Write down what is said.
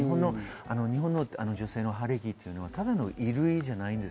日本の女性の晴れ着は、ただの衣類じゃないです。